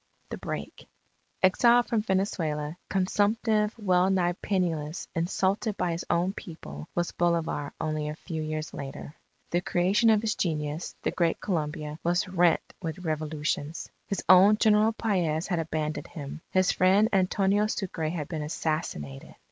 THE BREAK Exiled from Venezuela, consumptive, wellnigh penniless, insulted by his own people, was Bolivar only a few years later. The creation of his genius, the Great Colombia, was rent with revolutions. His own General Paez had abandoned him. His friend Antonio Sucre had been assassinated.